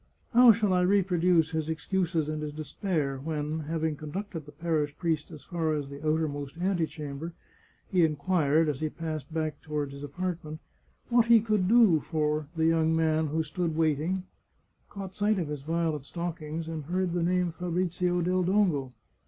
How shall I reproduce his excuses and his despair when, having conducted the parish priest as far as the outermost antechamber, he inquired, as he passed back toward his apartment, what he could do for the young man who stood waiting, caught sight of his violet stockings, and heard the name Fabrizio del Dongo?